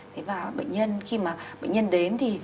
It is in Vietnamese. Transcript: thế và bệnh nhân khi mà bệnh nhân đến thì